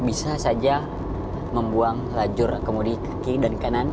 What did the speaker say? bisa saja membuang lajur kemudi kiri dan kanan